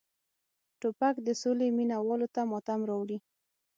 توپک د سولې مینه والو ته ماتم راوړي.